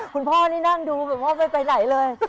คุณพ่อนี่นั่งดูพ่อไปไหนเลย